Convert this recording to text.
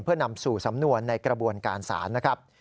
เพื่อนำสู่สำนวนในกระบวนการศาลนะครับ